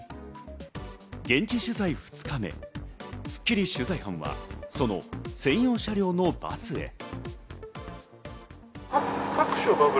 現地取材２日目、『スッキリ』取材班はその専用車両のバスへ。